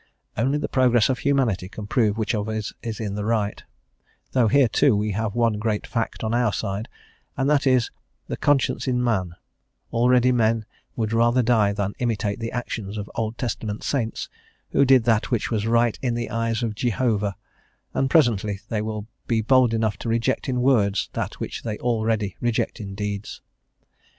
Only the progress of humanity can prove which of us is in the right, though here, too, we have one great fact on our side, and that is, the conscience in man; already men would rather die than imitate the actions of Old Testament saints who did that which was "right in the eyes of Jehovah;" and presently they will be bold enough to reject in words that which they already reject in deeds.